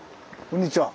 こんにちは。